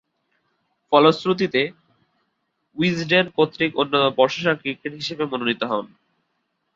ফলশ্রুতিতে, উইজডেন কর্তৃক অন্যতম বর্ষসেরা ক্রিকেটার হিসেবে মনোনীত হন।